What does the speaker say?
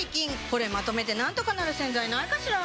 これまとめてなんとかなる洗剤ないかしら？